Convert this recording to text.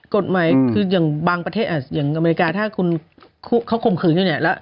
กฎหมายคืออย่างบางประเทศอย่างอเมริกาถ้าคุณเขาข่มขืนอยู่เนี่ยแล้ว